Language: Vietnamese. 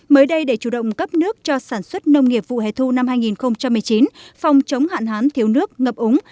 mới đây để chủ động cấp nước cho sản xuất nông nghiệp vụ hệ thu năm hai nghìn một mươi chín phòng chống hạn hán thiếu nước ngập úng